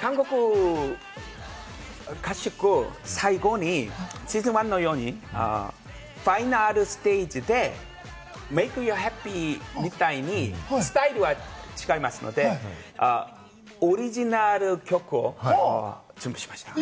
韓国合宿、最後にシーズン１のようにファイナルステージで、『Ｍａｋｅｙｏｕｈａｐｐｙ』みたいに、スタイルは違いますが、オリジナル曲を準備しました。